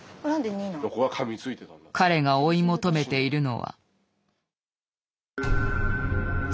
彼が追い求めているのは。